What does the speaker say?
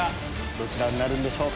どちらになるんでしょうか？